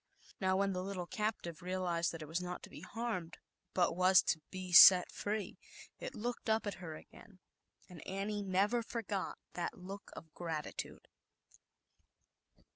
Now, when the little cap e realized that it was not to be harmed, but was to be set free, it looked up at her again, and Annie never forgot that look of gratitude.